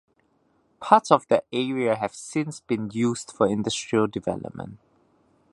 Parts of that area have since been used for industrial development.